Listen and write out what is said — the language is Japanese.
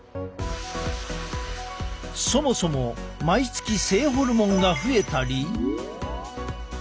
そもそも毎月性ホルモンが増えたり。